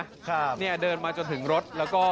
อันนี้เนี่ยเดินมาจนถึงรถอยู่